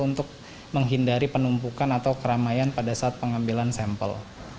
untuk menghindari penumpukan atau keramaian pada saat pengambilan sampel